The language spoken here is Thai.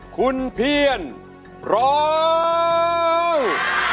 คุณเพียนร้อง